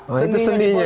oh itu sendinya